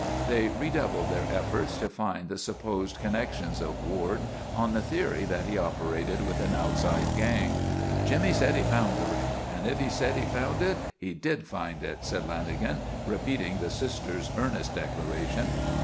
They redoubled their efforts to find the supposed connections of Ward on the theory that he operated with an outside gang. "'Jimmy said he found the ring and if he said he found it he did find it,'" said Lanagan, repeating the sister's earnest declaration.